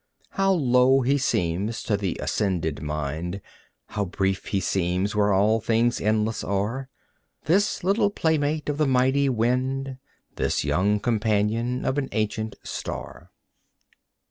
How low he seems to the ascended mind, How brief he seems where all things endless are; This little playmate of the mighty wind This young companion of an ancient star.